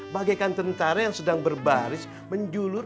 bagaikan tentara yang sedang berbaris menjulur